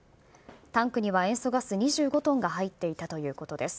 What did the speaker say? タンクには塩素ガス２５トンが入っていたということです。